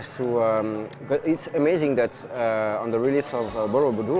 sangat luar biasa bahwa di relif borobudur